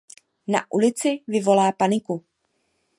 Na ulici vyvolá paniku.